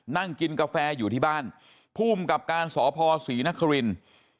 นั่งกินกาแฟอยู่ที่บ้านภูมิกับการสพศรีนครินทร์